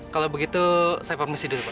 kalau begitu saya permisi dulu pak